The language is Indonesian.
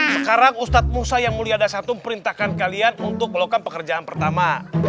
sekarang ustadz musa yang mulia ada satu perintahkan kalian untuk melakukan pekerjaan pertama